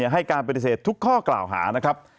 ให้การปฏิเสธทุกข้อกล่าวหานะครับ